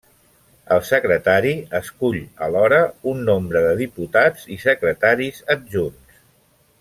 El secretari escull alhora un nombre de diputats i secretaris adjunts.